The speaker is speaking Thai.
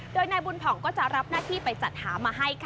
โดยนายบุญพองศิริเวชภัณฑ์ก็จะรับหน้าที่ไปจัดหามาให้ค่ะ